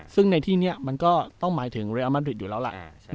ซึ่งในที่นี้มันก็ต้องหมายถึงเรียลมาริดอยู่แล้วล่ะ